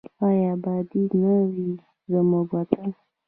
آیا اباد دې نه وي زموږ وطن؟